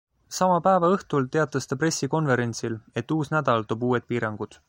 Sama päeva õhtul teatas ta pressikonverentsil, et uus nädal toob uued piirangud.